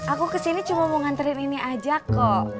aku kesini cuma mau nganterin ini aja kok